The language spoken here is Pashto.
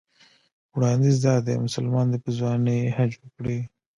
وړاندیز دا دی مسلمان دې په ځوانۍ حج وکړي.